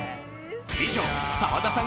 以上沢田さん